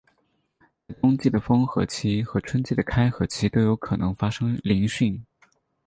在冬季的封河期和春季的开河期都有可能发生凌汛。